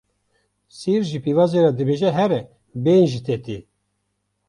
Sîr ji pîvazê re dibêje here bêhn ji te tê.